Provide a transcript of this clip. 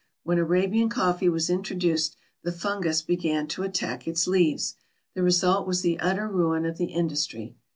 When Arabian coffee was introduced, the fungus began to attack its leaves. The result was the utter ruin of the industry.